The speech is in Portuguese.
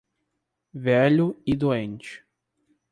Velho e doente